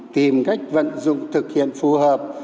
tìm cách vận dụng thực hiện phù hợp